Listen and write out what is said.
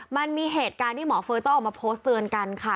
มันมีเหตุการณ์ที่หมอเฟย์ต้องออกมาโพสต์เตือนกันค่ะ